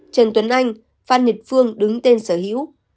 trần tuấn anh phan nhật phương đứng tên sở hữu